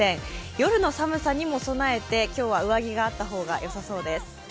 夜の寒さにも備えて、今日は上着があった方がよさそうです。